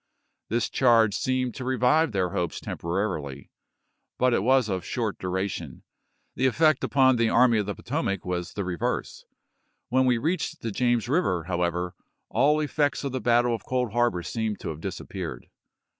This charge seemed to revive their hopes temporarily, but it was of short duration. The effect upon the Grant, Army of the Potomac was the reverse. When we MeSofrl" reached the James River, however, all effects of the pp. 276, 277. battle of Cold Harbor seemed to have disappeared."